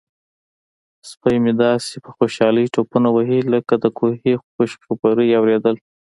سپی مې داسې په خوشحالۍ ټوپونه وهي لکه د کومې خوشخبرۍ اوریدل.